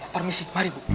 permisi mari bu